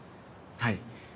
はい。